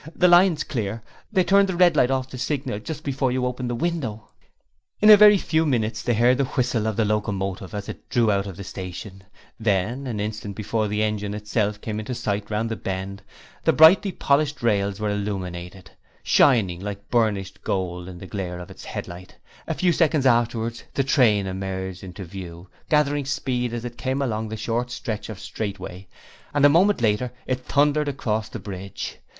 'The line's clear. They turned the red light off the signal just before you opened the window.' In a very few minutes they heard the whistle of the locomotive as it drew out of the station, then, an instant before the engine itself came into sight round the bend, the brightly polished rails were illuminated, shining like burnished gold in the glare of its headlight; a few seconds afterwards the train emerged into view, gathering speed as it came along the short stretch of straight way, and a moment later it thundered across the bridge.